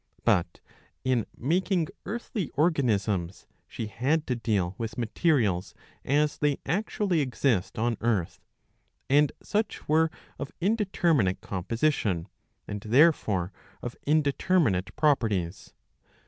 But, in making earthly organisms, she had to deal with materials as they actually exist on iearth ; and such were of in^temiinate composition,^ and therefore of indeterminate properties.